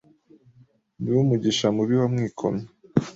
Ni wo Mugisha mubi wamwikomye